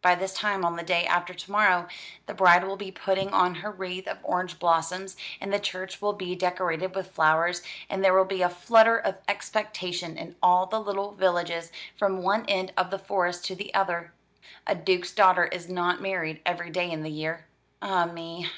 "By this time on the day after to morrow, the bride will be putting on her wreath of orange blossoms, and the church will be decorated with flowers, and there will be a flutter of expectation in all the little villages, from one end of the Forest to the other. A duke's daughter is not married every day in the year. Ah me!